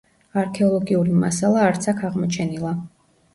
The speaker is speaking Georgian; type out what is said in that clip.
არქეოლოგიური მასალა არც აქ აღმოჩენილა.